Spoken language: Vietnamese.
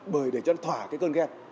bởi để cho nó thỏa cái cơn ghen